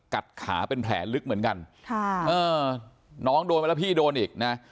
ขาเป็นแผลลึกเหมือนกันค่ะเออน้องโดนไปแล้วพี่โดนอีกนะ